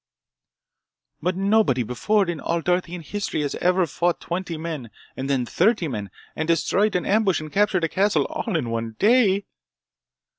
"But nobody before in all Darthian history has ever fought twenty men, and then thirty men, and destroyed an ambush, and captured a castle, all in one day!"